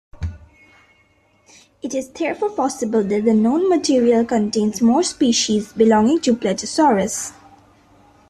It is therefore possible that the known material contains more species belonging to "Plateosaurus".